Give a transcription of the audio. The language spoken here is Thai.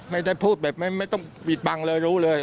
ไม่ได้พูดแบบไม่ต้องปิดบังเลยรู้เลย